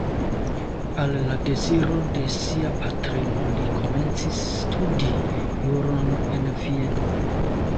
Al la deziro de sia patrino li komencis studi juron en Vieno.